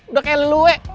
udah kayak lelue